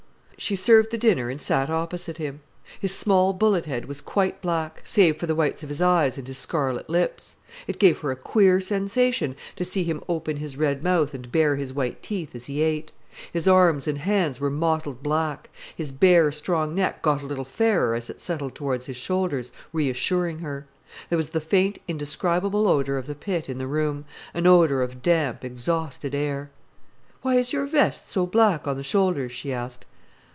She served the dinner and sat opposite him. His small bullet head was quite black, save for the whites of his eyes and his scarlet lips. It gave her a queer sensation to see him open his red mouth and bare his white teeth as he ate. His arms and hands were mottled black; his bare, strong neck got a little fairer as it settled towards his shoulders, reassuring her. There was the faint indescribable odour of the pit in the room, an odour of damp, exhausted air. "Why is your vest so black on the shoulders?" she asked.